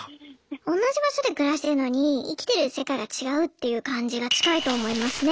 おんなじ場所で暮らしてんのに生きてる世界が違うっていう感じが近いと思いますね。